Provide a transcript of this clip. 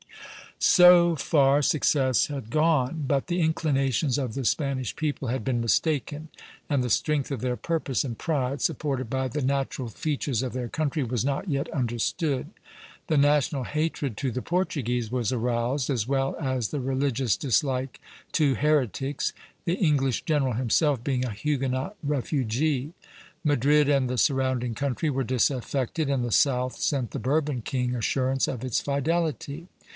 So far success had gone; but the inclinations of the Spanish people had been mistaken, and the strength of their purpose and pride, supported by the natural features of their country, was not yet understood. The national hatred to the Portuguese was aroused, as well as the religious dislike to heretics, the English general himself being a Huguenot refugee. Madrid and the surrounding country were disaffected, and the south sent the Bourbon king assurance of its fidelity.